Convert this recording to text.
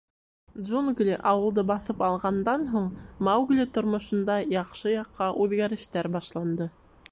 Джунгли ауылды баҫып алғандан һуң, Маугли тормошонда яҡшы яҡҡа үҙгәрештәр башланды.